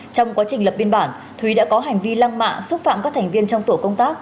trong quá trình lập biên bản thúy đã có hành vi lăng mạ xúc phạm các thành viên trong tổ công tác